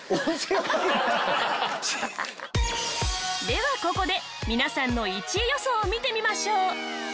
ではここで皆さんの１位予想を見てみましょう。